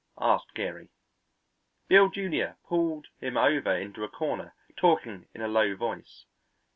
asked Geary. Beale, Jr., pulled him over into a corner, talking in a low voice.